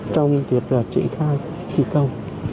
trong việc triển khai thi công